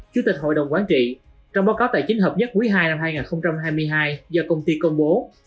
chủ tịch hội đồng quán trị trong báo cáo tài chính hợp nhất quý ii năm hai nghìn hai mươi hai do công ty công bố